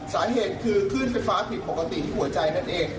สาเหตุคือขึ้นไฟฟ้าผิดปกติที่หัวใจนั่นเอง